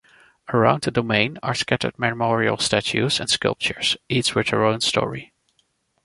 Around the Domain are scattered memorial statues and sculptures, each with their own story.